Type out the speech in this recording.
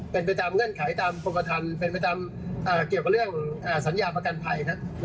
เป็นประจำเงื่อนไขตามกรมประทันเป็นประจำเกี่ยวกับเรื่องสัญญาประกันภัย